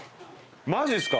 マジっすか？